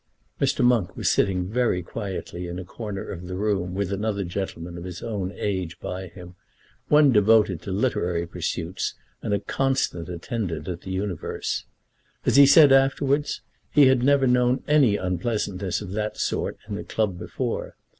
Mr. Monk was sitting very quietly in a corner of the room with another gentleman of his own age by him, one devoted to literary pursuits and a constant attendant at The Universe. As he said afterwards, he had never known any unpleasantness of that sort in the club before.